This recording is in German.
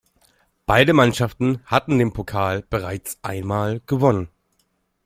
Beide Mannschaften hatten den Pokal bereits ein Mal gewonnen.